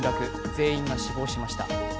全員が死亡しました。